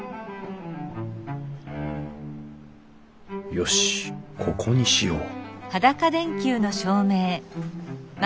よしここにしよう